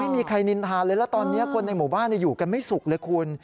ไม่มีใครนินทานเลยแล้วตอนนี้คนในหมู่บ้านอยู่กันไม่สุกเลยคุณ